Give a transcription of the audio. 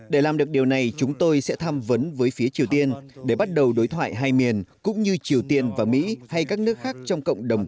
để làm được điều này chúng tôi sẽ tham vấn với phía triều tiên